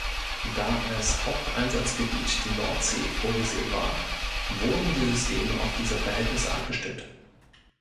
Da als Haupteinsatzgebiet die Nordsee vorgesehen war, wurden die Systeme auf diese Verhältnisse abgestimmt.